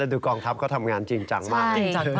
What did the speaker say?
แล้วดูกองทัพก็ทำงานจริงจังมาก